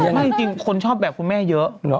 ไม่จริงคนชอบแบบคุณแม่เยอะ